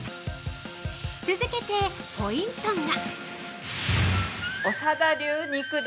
続けてポイントが。